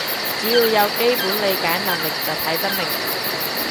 只要有基本理解能力就睇得明